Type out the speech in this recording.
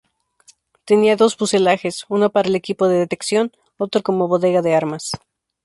Tenía dos fuselajes, uno para el equipo de detección, otro como bodega de armas.